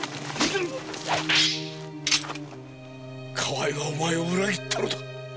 川井はお前を裏切ったのだ。